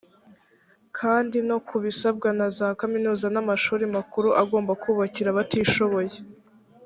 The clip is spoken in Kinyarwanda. kandi no ku bisabwa na za kaminuza n’amashuri makuru agomba kubakira abatishoboye